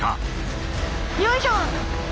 よいしょ！